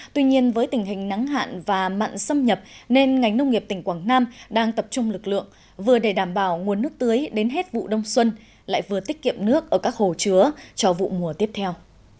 tuy nhiên với tình hình nắng hạn và mặn xâm nhập nên ngành nông nghiệp tỉnh quảng nam đang tập trung lực lượng vừa để đảm bảo nguồn nước tưới đến hết vụ đông xuân lại vừa tiết kiệm nước ở các hồ chứa cho vụ mùa tiếp theo